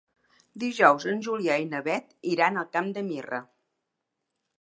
Dijous en Julià i na Beth iran al Camp de Mirra.